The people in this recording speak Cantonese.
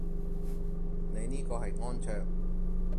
你呢個係安卓